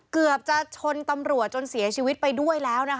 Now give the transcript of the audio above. เกือบจะชนตำรวจจนเสียชีวิตไปด้วยแล้วนะคะ